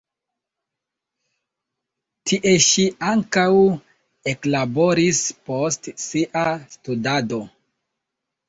Tie ŝi ankaŭ eklaboris post sia studado.